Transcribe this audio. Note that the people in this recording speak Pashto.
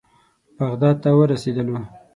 بغداد ته ورسېدلو.